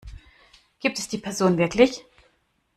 Gibt es die Person wirklich?